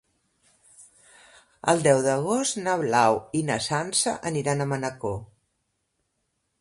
El deu d'agost na Blau i na Sança aniran a Manacor.